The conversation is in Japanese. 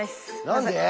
何で？